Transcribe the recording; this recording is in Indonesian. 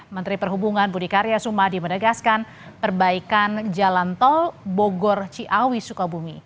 menteri perhubungan budi karya sumadi menegaskan perbaikan jalan tol bogor ciawi sukabumi